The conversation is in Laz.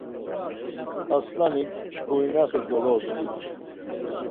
Arslanik şkurinate dolodzgu.